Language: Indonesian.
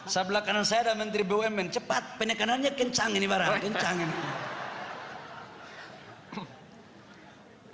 sebelah kanan saya ada menteri bumn cepat penekanannya kencang ini marah kencang ini